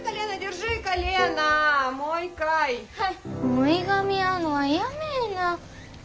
もういがみ合うのはやめえな。